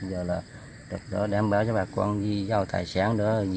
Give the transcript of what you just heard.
giờ là trực đó đảm bảo cho bà con đi giao tài sản